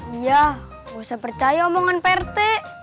iya gak usah percaya omongan prt